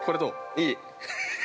◆いい！